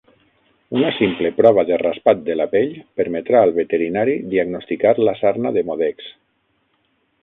Una simple prova de raspat de la pell permetrà al veterinari diagnosticar la sarna demodex.